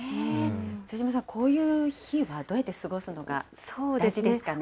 副島さん、こういう日はどうやって過ごすのが大事ですかね。